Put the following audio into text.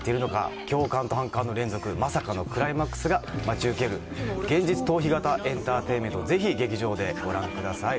共感と反感の連続、まさかのクライマックスが待ち受ける、現実逃避型エンタテインメント、ぜひ劇場でご覧ください。